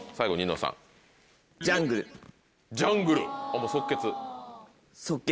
もう即決？